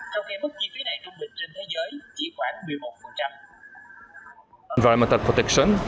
trong khi mức chi phí này trung bình trên thế giới chỉ khoảng một mươi một